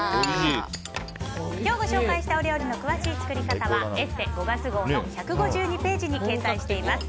今日ご紹介したお料理の詳しい作り方は「ＥＳＳＥ」５月号の１５２ページに掲載しています。